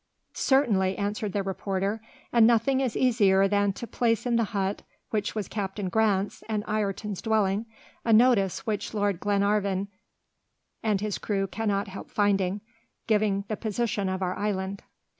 "Certainly," answered the reporter, "and nothing is easier than to place in the hut, which was Captain Grant's and Ayrton's dwelling, a notice which Lord Glenarvan and his crew cannot help finding, giving the position of our island."